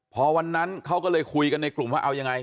พอวันนั้นเขาก็เลยคุยกันในกลุ่มว่าเอายังไง